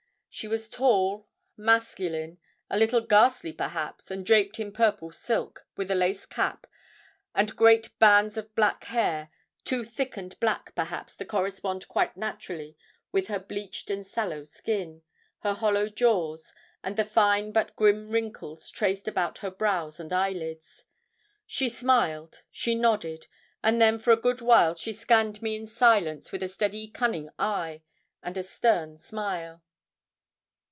She was tall, masculine, a little ghastly perhaps, and draped in purple silk, with a lace cap, and great bands of black hair, too thick and black, perhaps, to correspond quite naturally with her bleached and sallow skin, her hollow jaws, and the fine but grim wrinkles traced about her brows and eyelids. She smiled, she nodded, and then for a good while she scanned me in silence with a steady cunning eye, and a stern smile.